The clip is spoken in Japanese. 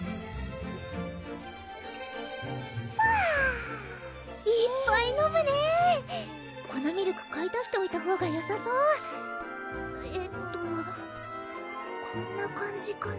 ぷはぁいっぱい飲むね粉ミルク買い足しておいたほうがよさそうえっとこんな感じかな？